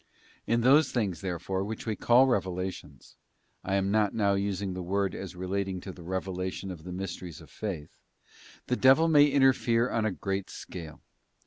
In those things, therefore, which we call revelations — I am not now using the word as relating to the Revelation of the mysteries of Faith—the devil may interfere on a great scale.